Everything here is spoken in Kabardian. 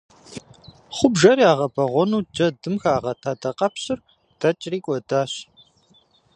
Хъубжэр ягъэбэгъуэну джэдым хагъэт адакъэпщыр дэкӏри кӏуэдащ.